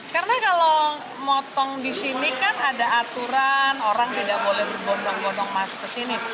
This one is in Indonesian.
karena kalau motong di sini kan ada aturan orang tidak boleh kebotong botong mas ke sini